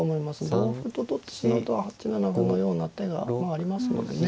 同歩と取ってしまうと８七歩のような手がありますのでね。